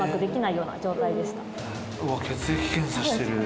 うわ血液検査してる。